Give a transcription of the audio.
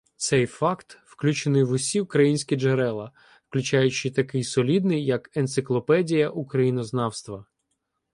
Цей «факт» включений в усі українські джерела, включаючи такий солідний, як «Енциклопедія Українознавства».